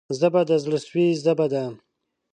ژبه د زړه سوي ژبه ده